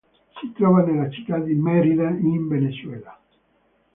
Si trova nella città di Mérida in Venezuela.